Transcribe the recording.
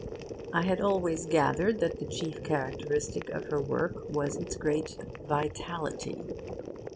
I had always gathered that the chief characteristic of her work was its great 'vitality.